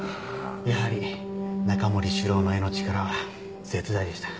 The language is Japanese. やはり中森司郎の絵の力は絶大でした。